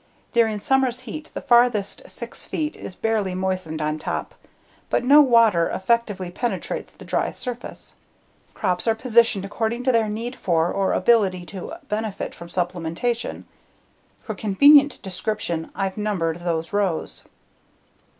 During summer's heat the farthest 6 feet is barely moistened on top, but no water effectively penetrates the dry surface. Crops are positioned according to their need for or ability to benefit from supplementation. For convenient description I've numbered those rows.